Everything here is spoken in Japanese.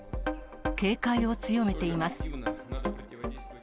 警戒を強めています。